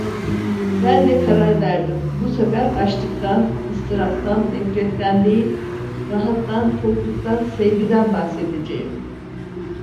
Ben de karar verdim, bu sefer açlıktan, ızdıraptan, nefretten değil… rahattan, tokluktan, sevgiden bahsedeceğim.